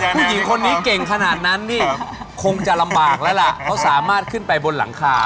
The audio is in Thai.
ผู้หญิงคนนี้เก่งขนาดนั้นนี่คงจะลำบากแล้วล่ะเขาสามารถขึ้นไปบนหลังคา